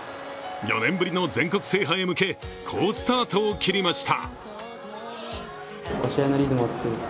４年ぶりの全国制覇へ向け好スタートを切りました。